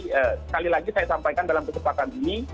sekali lagi saya sampaikan dalam kesempatan ini